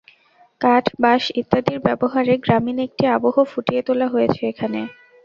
কাঠ, বাঁশ ইত্যাদির ব্যবহারে গ্রামীণ একটি আবহ ফুটিয়ে তোলা হয়েছে এখানে।